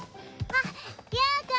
あっ。